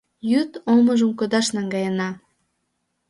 Йӱд омыжым кодаш наҥгаена.